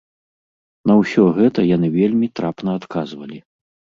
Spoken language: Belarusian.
На ўсё гэта яны вельмі трапна адказвалі.